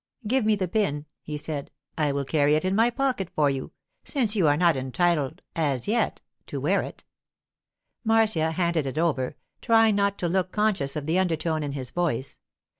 'Give me the pin,' he said. 'I will carry it in my pocket for you, since you are not entitled—as yet—to wear it.' Marcia handed it over, trying not to look conscious of the undertone in his voice.